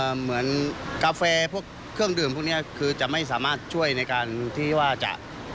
เหมือนกาแฟพวกเครื่องดื่มพวกนี้คือจะไม่สามารถช่วยในการที่ว่าจะ